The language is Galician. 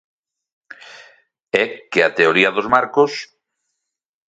É que a teoría dos marcos...!